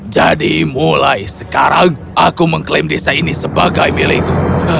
jadi mulai sekarang aku mengklaim desa ini sebagai milikku